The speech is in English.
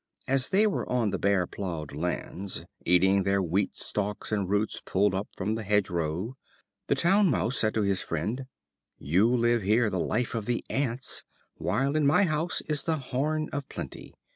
As they were on the bare plough lands, eating their wheat stalks and roots pulled up from the hedge row, the Town Mouse said to his friend: "You live here the life of the ants, while in my house is the horn of plenty.